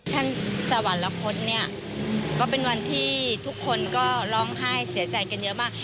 สวรรคตเนี่ยก็เป็นวันที่ทุกคนก็ร้องไห้เสียใจกันเยอะมาก